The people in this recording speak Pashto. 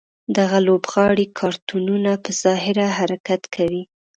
دغه لوبغاړي کارتونونه په ظاهره حرکت کوي.